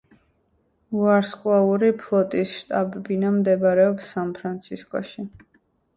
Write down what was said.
ვარსკვლავური ფლოტის შტაბ-ბინა მდებარეობს სან-ფრანცისკოში.